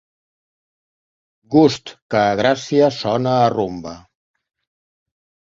Gust que a Gràcia sona a rumba.